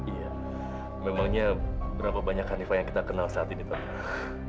iya memangnya berapa banyak hanifah yang kita kenal saat ini pak